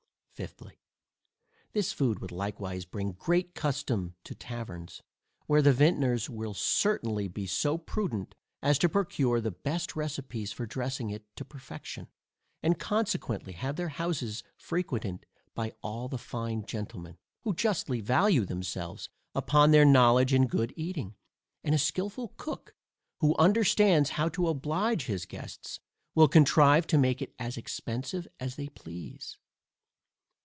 Fifthly, This food would likewise bring great custom to taverns, where the vintners will certainly be so prudent as to procure the best receipts for dressing it to perfection; and consequently have their houses frequented by all the fine gentlemen, who justly value themselves upon their knowledge in good eating; and a skilful cook, who understands how to oblige his guests, will contrive to make it as expensive as they please.